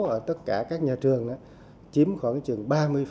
ở tất cả các nhà trường chiếm khoảng chừng ba mươi